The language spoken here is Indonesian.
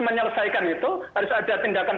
menyelesaikan itu harus ada tindakan